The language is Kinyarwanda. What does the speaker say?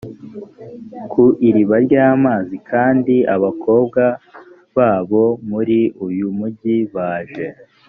ku iriba ry amazi kandi abakobwa b abo muri uyu mugi baje